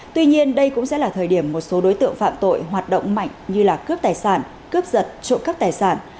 tuy nhiên đây cũng sẽ là thời điểm một số đối tượng phạm tội hoạt động mạnh như là cướp tài sản cướp giật trộm cắp tài sản